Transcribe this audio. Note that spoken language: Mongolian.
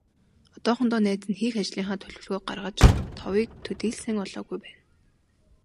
Одоохондоо найз нь хийх ажлынхаа төлөвлөгөөг гаргаж, товыг төдий л сайн олоогүй байна.